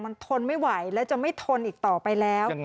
มันทนไม่ไหวและจะไม่ทนอีกต่อไปแล้ว